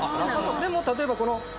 でも例えばこの。